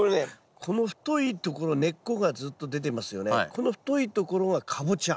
この太いところがカボチャ。